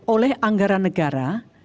oleh anggaran negara